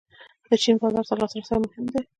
د چین بازار ته لاسرسی مهم دی